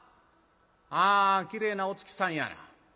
あきれいなお月さんやな。